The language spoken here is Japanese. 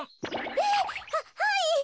えっははい！